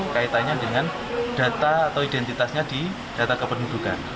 kaitannya dengan data atau identitasnya di data kependudukan